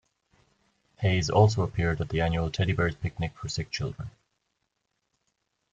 Hayes also appeared at the annual Teddy bears picnic for sick children.